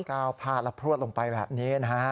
ก็พาละพรวดลงไปแบบนี้นะฮะ